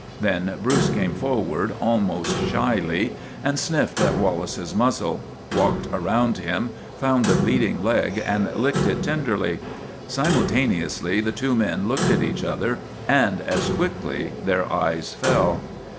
Then Bruce came forward almost shyly, and sniffed at Wallace's muzzle, walked around him, found the bleeding leg and licked it tenderly. Si multaneously the two men looked at each other, and as quickly their eyes fell.